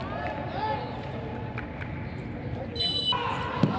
สวัสดีครับ